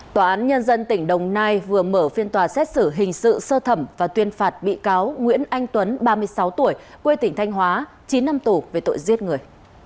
tòa án nhân dân tỉnh đồng nai vừa mở phiên tòa xét xử hình sự sơ thẩm và tuyên phạt bị cáo nguyễn anh tuấn ba mươi sáu tuổi quê tỉnh thanh hóa chín năm tù về tội giết người